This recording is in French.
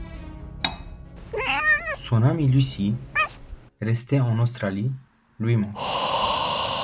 Son amie Lucy, restée en Australie, lui manque.